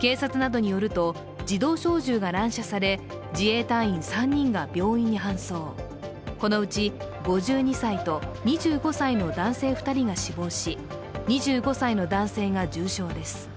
警察などによると、自動小銃が乱射され、自衛隊員３人が病院に搬送、このうち５２歳と２５歳の男性２人が死亡し２５歳の男性が重傷です。